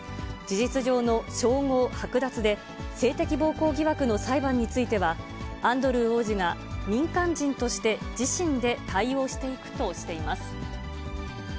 事実上の称号剥奪で、性的暴行疑惑の裁判については、アンドルー王子が民間人として、自身で対応していくとしています。